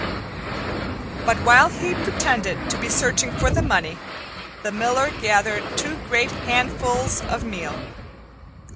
But while he pretended to be searching for the money, the Miller gathered two great handfuls of meal.